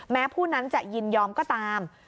แม้ผู้นั้นจะยินยอมก็ตาม